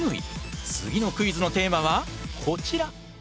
次のクイズのテーマはこちら！